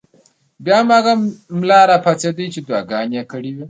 بیا هغه ملا راپاڅېد چې دعاګانې یې کړې وې.